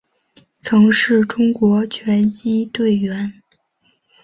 曾是中国拳击队员。